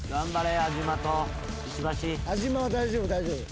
安嶋は大丈夫大丈夫。